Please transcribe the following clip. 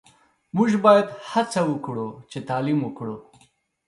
موژ باید هڅه وکړو چی تعلیم وکړو